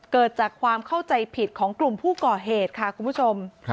เกิดจากความเข้าใจผิดของกลุ่มผู้ก่อเหตุค่ะคุณผู้ชม